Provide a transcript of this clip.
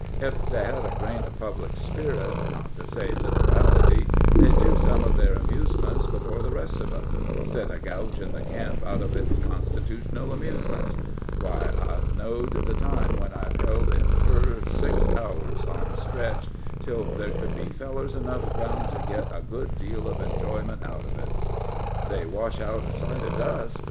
Ef they hed a grain of public spirit, not to say liberality, they'd do some of their amusements before the rest of us, instead of gougin' the camp out of its constitutional amusements. Why, I've knowed the time when I've held in fur six hours on a stretch, till there could be fellers enough around to git a good deal of enjoyment out of it." "They wash out a sight of dust!"